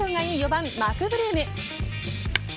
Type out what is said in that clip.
４番マクブルーム。